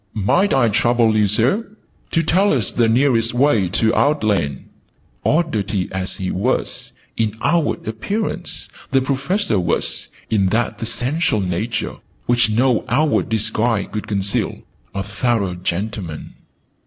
"Might I trouble you, Sir, to tell us the nearest way to Outland!" Oddity as he was, in outward appearance, the Professor was, in that essential nature which no outward disguise could conceal, a thorough gentleman.